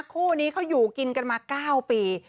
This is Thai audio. คู่นี้เขาอยู่กินกันมา๙ปี